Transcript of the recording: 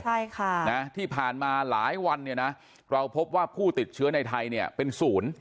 ใช่ค่ะนะที่ผ่านมาหลายวันเนี่ยนะเราพบว่าผู้ติดเชื้อในไทยเนี่ยเป็นศูนย์